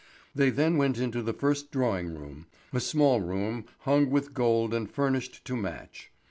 They then went into the first drawing room, a small room hung with dead gold and furnished to match.